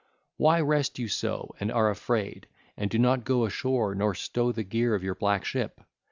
Why rest you so and are afraid, and do not go ashore nor stow the gear of your black ship?